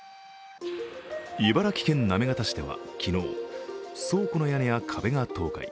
茨城県行方市では、昨日、倉庫の屋根や壁が倒壊。